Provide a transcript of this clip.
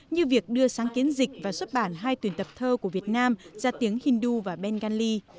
như việc đưa sáng kiến dịch và xuất bản hai tuyển tập thơ của việt nam ra tiếng hindu và bengali